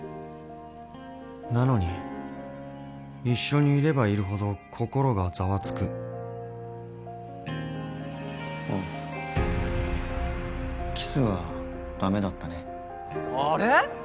なのに一緒にいればいるほどあっキスはダメだったねあれ？